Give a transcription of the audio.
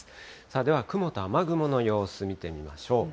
では雲と雨雲の様子、見てみましょう。